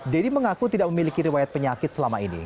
deddy mengaku tidak memiliki riwayat penyakit selama ini